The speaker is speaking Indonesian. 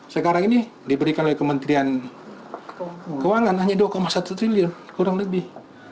sekarang ini diberikan oleh kementerian keuangan hanya dua satu triliun kurang lebih